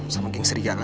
sama geng serigala